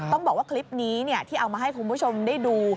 ต้องบอกว่าคลิปนี้ที่เอามาให้คุณผู้ชมได้ดู